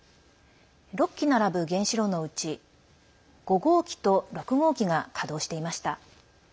６基並ぶ原子炉のうち５号機と６号機が稼働していました。